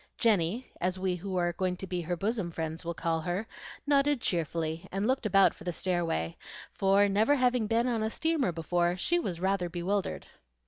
Jenny, as we who are going to be her bosom friends will call her, nodded cheerfully, and looked about for the stairway; for, never having been on a steamer before, she was rather bewildered.